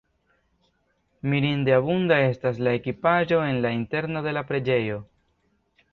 Mirinde abunda estas la ekipaĵo en la interno de la preĝejo.